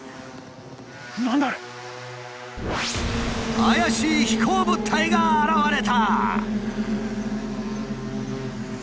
怪しい飛行物体が現れた！